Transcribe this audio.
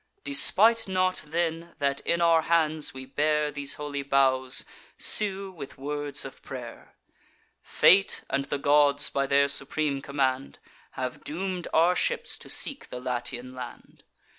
Despite not then, that in our hands we bear These holy boughs, and sue with words of pray'r. Fate and the gods, by their supreme command, Have doom'd our ships to seek the Latian land.